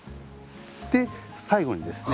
最後にですね